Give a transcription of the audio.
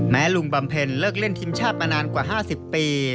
ลุงบำเพ็ญเลิกเล่นทีมชาติมานานกว่า๕๐ปี